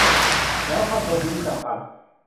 แล้วเข้าชมพิพิธภัณฑ์